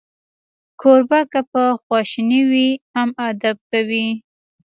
کوربه که په خواشینۍ وي، هم ادب کوي.